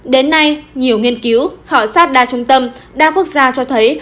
đến nay nhiều nghiên cứu khảo sát đa trung tâm đa quốc gia cho thấy